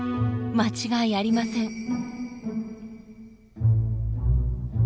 間違いありません。